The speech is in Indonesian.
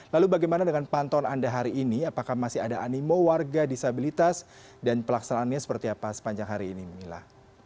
lalu bagaimana dengan pantauan anda hari ini apakah masih ada animo warga disabilitas dan pelaksanaannya seperti apa sepanjang hari ini mila